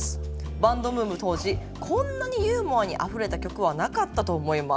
バンドブーム当時こんなにユーモアにあふれた曲はなかったと思います」。